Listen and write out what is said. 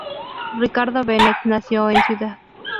Ricardo Benet nació en Cd.